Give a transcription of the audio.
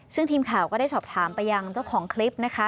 ซึ่งทีมข่าวก็ได้สอบถามไปยังเจ้าของคลิปนะคะ